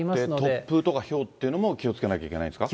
突風とかひょうっていうのも気をつけないといけないんですか。